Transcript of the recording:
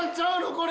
これ。